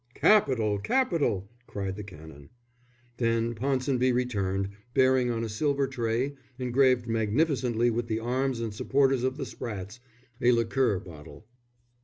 "Capital! Capital!" cried the Canon. Then Ponsonby returned bearing on a silver tray, engraved magnificently with the arms and supporters of the Sprattes, a liqueur bottle.